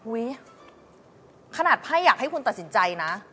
ขนาดไพ่อยากให้คุณตัดสินใจนะ